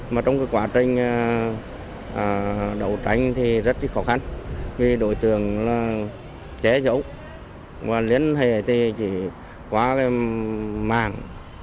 mà trong quá trình đấu tranh thì rất khó khăn vì đối tượng chế giấu và liên hệ thì quá mạng